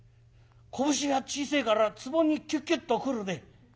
拳が小せえからツボにキュキュッとくるね。